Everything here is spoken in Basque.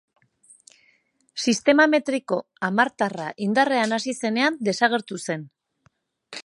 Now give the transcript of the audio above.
Sistema metriko hamartarra indarrean hasi zenean desagertu zen.